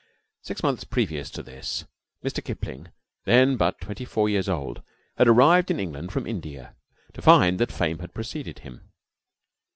Six months previous to this Mr. Kipling, then but twenty four years old, had arrived in England from India to find that fame had preceded him.